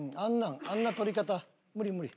あんな撮り方無理無理。